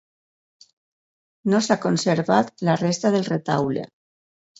No s'ha conservat la resta del retaule.